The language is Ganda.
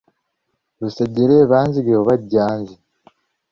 Lusejjera eba Nzige oba Jjanzi?